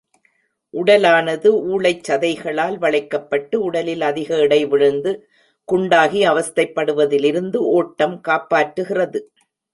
உடலானது ஊளைச்சதைகளால் வளைக்கப்பட்டு உடலில் அதிக எடை விழுந்து, குண்டாகி, அவஸ்தைப்படுவதிலிருந்து ஒட்டம் காப்பாற்றுகிறது.